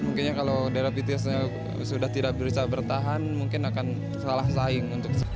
mungkin kalau daya kreativitasnya sudah tidak berusaha bertahan mungkin akan salah saing